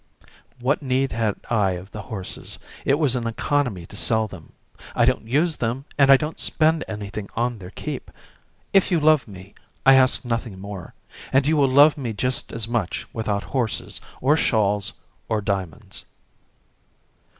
What need had I of the horses? It was an economy to sell them. I don't use them and I don't spend anything on their keep; if you love me, I ask nothing more, and you will love me just as much without horses, or shawls, or diamonds."